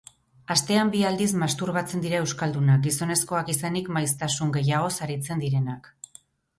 Astean bi aldiz masturbatzen dira euskaldunak, gizonezkoak izanik maiztasun gehiagoz aritzen direnak.